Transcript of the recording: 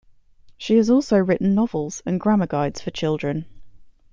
She has also written novels, and grammar guides for children.